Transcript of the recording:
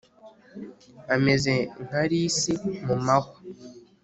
ameze nka lisi mu mahwa